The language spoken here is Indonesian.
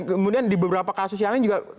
kemudian di beberapa kasus yang lain juga